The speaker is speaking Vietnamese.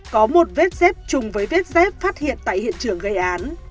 có một vết xếp chung với vết dép phát hiện tại hiện trường gây án